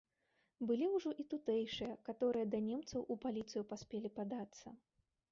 Былі ўжо і тутэйшыя, каторыя да немцаў у паліцыю паспелі падацца.